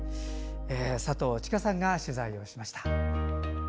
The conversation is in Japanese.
佐藤千佳さんが取材しました。